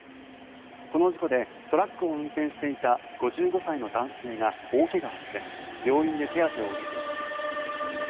この事故でトラックを運転していた５５歳の男性が大怪我をして病院で手当てを受けています。